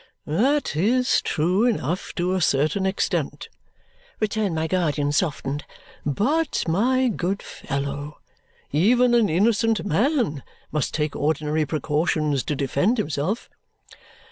"That is true enough to a certain extent," returned my guardian, softened. "But my good fellow, even an innocent man must take ordinary precautions to defend himself."